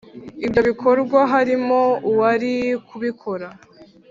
ibyo bikorwa harimo uwari kubikora.